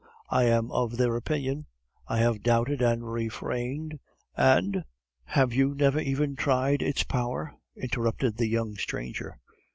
I am of their opinion, I have doubted and refrained, and " "Have you never even tried its power?" interrupted the young stranger.